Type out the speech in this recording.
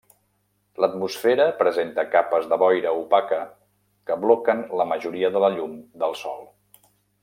L'atmosfera presenta capes de boira opaca que bloquen la majoria de la llum del sol.